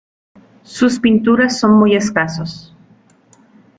Sus pinturas son muy escasos.